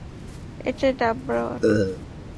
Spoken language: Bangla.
এটাই নাম্বার ওয়ান!